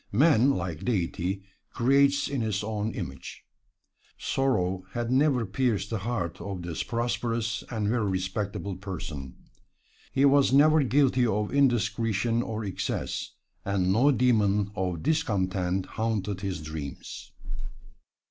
Man, like Deity, creates in his own image. Sorrow had never pierced the heart of this prosperous and very respectable person. He was never guilty of indiscretion or excess, and no demon of discontent haunted his dreams.